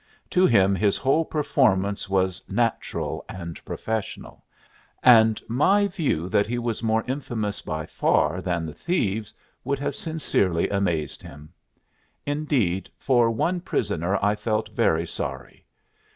To him his whole performance was natural and professional, and my view that he was more infamous by far than the thieves would have sincerely amazed him. Indeed, for one prisoner I felt very sorry.